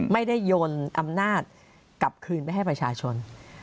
ไม่ได้ยนต์อำนาจกลับคืนไปให้ประชาชน